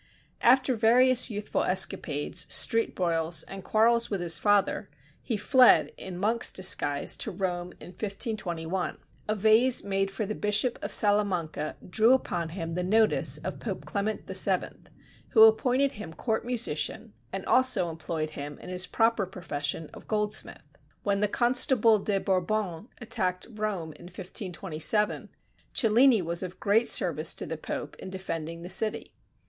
After various youthful escapades, street broils, and quarrels with his father, he fled in monk's disguise to Rome in 1521. A vase made for the Bishop of Salamanca drew upon him the notice of Pope Clement VII., who appointed him court musician and also employed him in his proper profession of goldsmith. When the Constable de Bourbon attacked Rome, in 1527, Cellini was of great service to the Pope in defending the city.